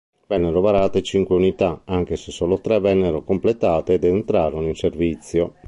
Vennero varate cinque unità, anche se solo tre vennero completate ed entrarono in servizio.